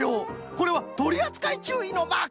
これはとりあつかいちゅういのマーク！